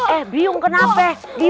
eh biung kenapa